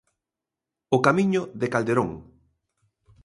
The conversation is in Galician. O camiño de Calderón.